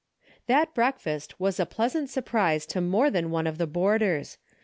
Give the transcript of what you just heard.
That breakfast was a pleasant surprise to more than one of the boarders.